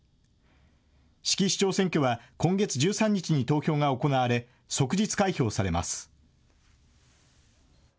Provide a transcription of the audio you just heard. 志木市長選挙は今月１３日に投票が行われ、即日開票されます。